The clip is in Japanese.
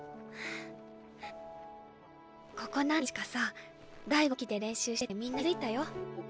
ここ何日かさ大吾抜きで練習しててみんな気付いたよ。